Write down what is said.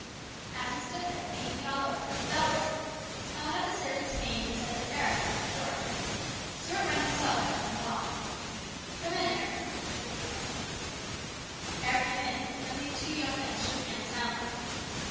As he stood there thinking it all over, the bell rang, and one of the servants came and said that Eric was at the door. Stuart went himself out into the hall. " Come in, Eric," he said quietly. Eric came in, and the two young men shook hands silently.